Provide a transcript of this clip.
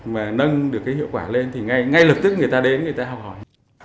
mà nâng được cái hiệu quả lên thì ngay lập tức người ta đến người ta học hỏi